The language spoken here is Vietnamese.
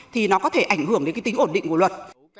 thì nó có thể ảnh hưởng đến cái tính ổn định của luật